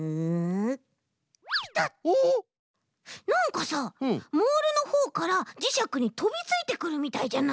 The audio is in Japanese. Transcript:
なんかさモールのほうからじしゃくにとびついてくるみたいじゃない？